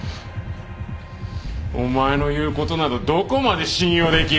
お前の言うことなどどこまで信用できる。